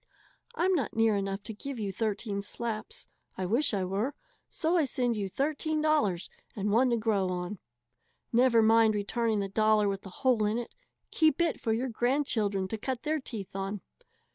I'm not near enough to give you thirteen slaps I wish I were so I send you thirteen dollars, and one to grow on. Never mind returning the dollar with the hole in it keep it for your grandchildren to cut their teeth on.